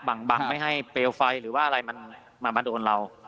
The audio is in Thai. บังไม่ให้เปลวไฟหรือว่าอะไรมันมาโดนเรา